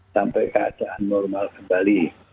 sampai keadaan normal kembali